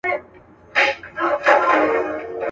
• د زمري غار بې هډوکو نه وي.